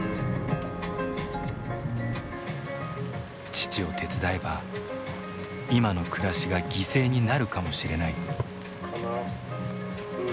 父を手伝えば今の暮らしが犠牲になるかもしれない。